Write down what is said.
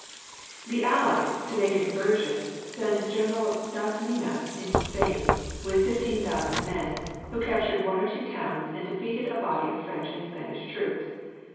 "The allies, to make a diversion, sent General Das Minas into Spain, with fifteen thousand men, who captured one or two towns and defeated a body of French and Spanish troops.